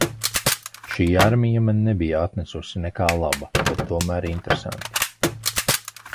Šī armija man nebija atnesusi nekā laba, bet tomēr interesanti.